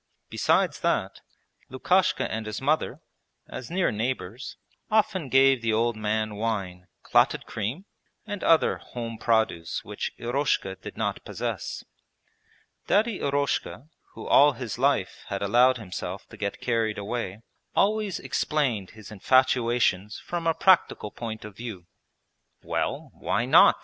Besides that, Lukashka and his mother, as near neighbours, often gave the old man wine, clotted cream, and other home produce which Eroshka did not possess. Daddy Eroshka, who all his life had allowed himself to get carried away, always explained his infatuations from a practical point of view. 'Well, why not?'